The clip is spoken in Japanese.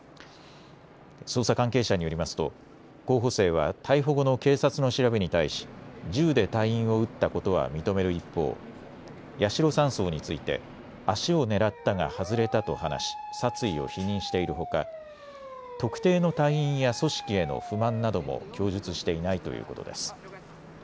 捜査関係者によりますと候補生は逮捕後の警察の調べに対し銃で隊員を撃ったことは認める一方、八代３曹について足を狙ったが外れたと話し殺意を否認しているほか特定の隊員や組織への不満なども供述していないということです。